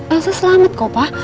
elsa selamat kok pa